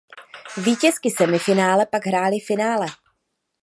Vítězky semifinále pak hrály finále.